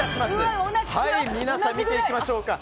皆さん見ていきましょう。